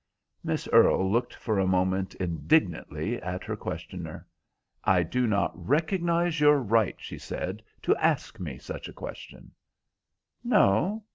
Miss Earle looked for a moment indignantly at her questioner. "I do not recognise your right," she said, "to ask me such a question." "No?